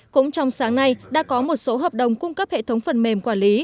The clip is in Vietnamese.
cũng trong sáng nay đã có một số hợp đồng cung cấp hệ thống phần mềm quản lý